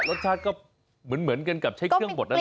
รสชาติก็เหมือนกันกับใช้เครื่องบดนั่นแหละ